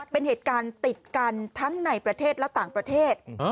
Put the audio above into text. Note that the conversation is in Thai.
เป็นเหตุการณ์ติดกันทั้งในประเทศและต่างประเทศ